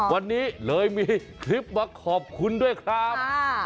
วันนี้เลยมีคลิปมาขอบคุณด้วยครับ